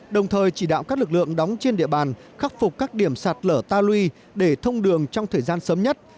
đồng thời chỉ đạo các lực lượng đóng trên địa bàn khắc phục các điểm sạt lở ta luy để thông đường trong thời gian sớm nhất